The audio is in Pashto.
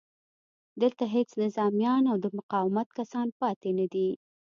دلته هېڅ نظامیان او د مقاومت کسان پاتې نه دي